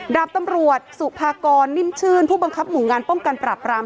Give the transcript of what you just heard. ดาบตำรวจสุภากรนิ่มชื่นผู้บังคับหมู่งานป้องกันปรับราม